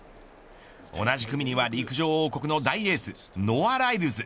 同じ組には陸上王国の大エースノア・ライルズ。